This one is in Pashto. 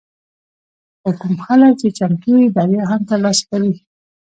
خو کوم خلک چې چمتو وي، بریا هم ترلاسه کوي.